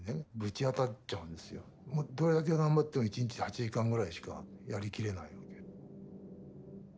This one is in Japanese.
どれだけ頑張っても１日８時間ぐらいしかやりきれないわけ。